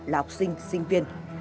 là học sinh sinh viên